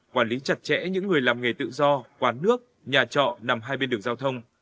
quản lý chặt chẽ những người làm nghề tự do quán nước nhà trọ nằm hai bên đường giao thông